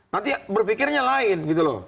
nanti berpikirnya lain